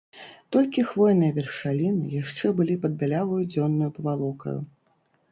Толькі хвойныя вяршаліны яшчэ былі пад бяляваю дзённаю павалокаю.